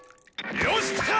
よしきた！